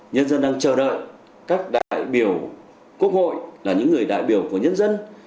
nhân dân đang chờ đợi các đại biểu quốc hội là những người đại biểu của nhân dân